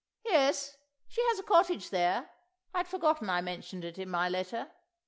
... Yes, she has a cottage there; I'd forgotten I mentioned it in my letter. .